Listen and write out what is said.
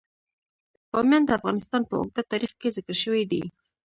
بامیان د افغانستان په اوږده تاریخ کې ذکر شوی دی.